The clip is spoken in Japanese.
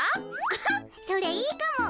アハそれいいかも。